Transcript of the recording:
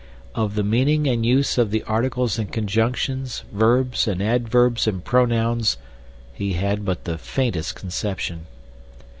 Of the meaning and use of the articles and conjunctions, verbs and adverbs and pronouns he had but the faintest conception.